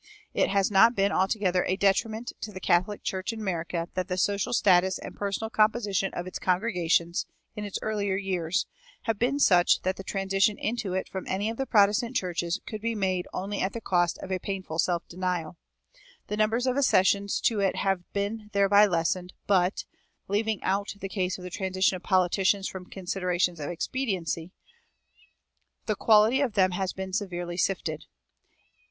It has not been altogether a detriment to the Catholic Church in America that the social status and personal composition of its congregations, in its earlier years, have been such that the transition into it from any of the Protestant churches could be made only at the cost of a painful self denial. The number of accessions to it has been thereby lessened, but (leaving out the case of the transition of politicians from considerations of expediency) the quality of them has been severely sifted.